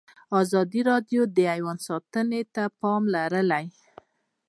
ازادي راډیو د حیوان ساتنه ته پام اړولی.